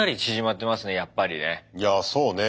いやあそうね。